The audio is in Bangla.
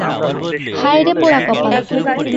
হায়রে পোড়া কপাল।